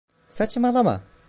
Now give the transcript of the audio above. Saçmalama.